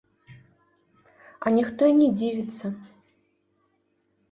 А ніхто і не дзівіцца.